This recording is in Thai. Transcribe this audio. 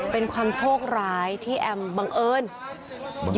เป็นความโชคร้ายที่แอมบังเอิญอยู่กับคนตา